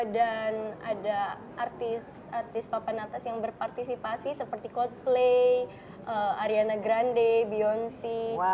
dan ada artis artis papanatas yang berpartisipasi seperti coldplay ariana grande beyonce